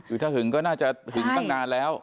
คือถ้าหึงก็น่าจะหึงตั้งนานแล้ว